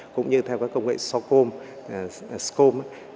cũng như theo các công nghệ scom